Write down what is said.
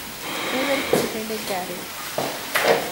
ހެއިވެރިކަން ކެނޑެން ކަިއރިވެފަ